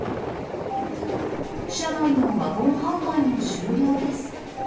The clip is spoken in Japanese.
車内のワゴン販売の終了です。